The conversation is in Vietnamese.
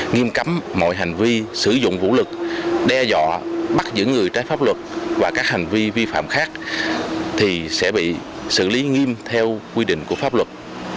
nghiêm cấm mọi hành vi sử dụng vũ lực đe dọa bắt giữ người trái pháp luật và các hành vi vi phạm khác thì sẽ bị xử lý nghiêm theo quy định của pháp luật